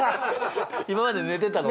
今まで寝てたの。